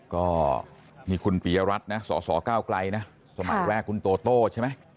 ก็มีคุณปียรัฐนะสสก้าวไกลนะสมัยแรกคุณโตโต้ใช่ไหม